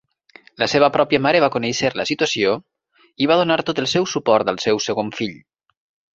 La seva pròpia mare va conèixer la situació i va donar tot el seu suport al seu segon fill.